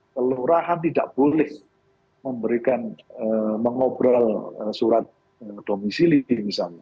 kelurahan tidak boleh memberikan mengobrol surat domisili misalnya